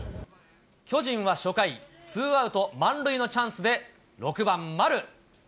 巨人は初回、２アウト満塁のチャンスで、６番丸。